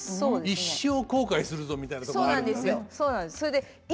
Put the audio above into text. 「一生後悔するぞ」みたいなとこがあるんですね。